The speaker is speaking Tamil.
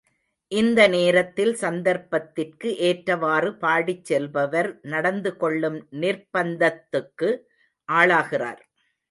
இந்த நேரத்தில் சந்தர்ப்பத்திற்கு ஏற்றவாறு பாடிச் செல்பவர் நடந்துகொள்ளும் நிர்ப்பந்தத்துக்கு ஆளாகிறார்.